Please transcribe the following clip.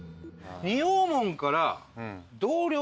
仁王門から道了